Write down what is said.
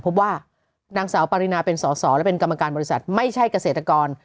พบว่านางสาวปารินาเป็นสอสอและเป็นกรรมการบริษัทไม่ใช่เกษตรกร